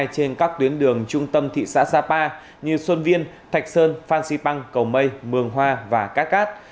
trên các tuyến đường trung tâm thị xã sapa như xuân viên thạch sơn phan xipang cầu mây mường hoa và cát cát